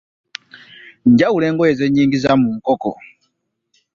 Njawula engoye zennyingiza mu nkoko.